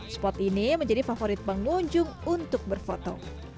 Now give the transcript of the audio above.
spot ini menjadi favorit pengunjung untuk berfoto